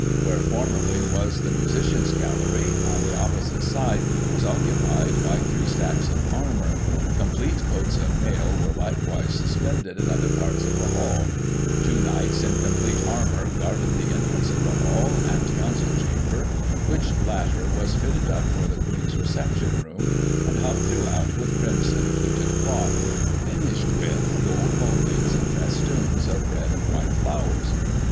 Where, formerly, was the musicians* gallery, on the opposite side, was occupied by three Stacks of armour; complete Digiti ized by Google 20 GOSSIP. [1837 coats of mail were, likewise, suspended in other parts of the Hall ; two knights in complete armour guarded the entrance of the Hall and Coxmcil Chamber, which latter was fitted up for the Queen's reception room, and hung throughout with crimson fluted doth, finished with gold mouldings and festoons of red and white flowers.